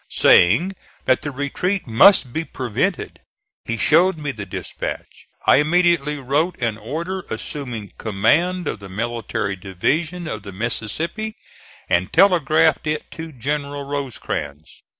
Saying that the retreat must be prevented, he showed me the dispatch. I immediately wrote an order assuming command of the Military Division of the Mississippi, and telegraphed it to General Rosecrans.